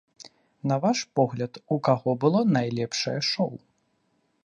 На ваш погляд, у каго было найлепшае шоу?